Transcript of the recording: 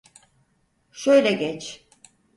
Şöyle geç.